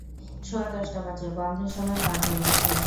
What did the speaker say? সোয়া দশটা বাজে, বন্ধের সময়ও পার হয়ে গেছে।